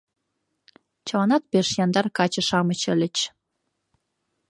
Чыланат пеш яндар каче-шамыч ыльыч.